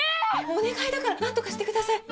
お願いだから何とかしてください。